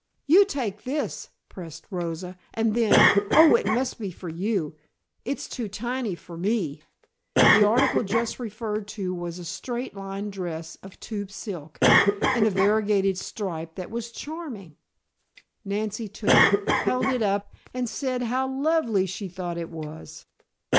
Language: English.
"You take this," pressed Rosa. And then: "Oh, it must be for you, for it's too tiny for me." The article just referred to was a straight line dress of tub silk, in a variegated stripe that was charming. Nancy took it, held it up and said how lovely she thought it was.